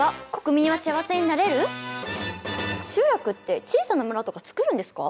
集落って小さな村とか造るんですか？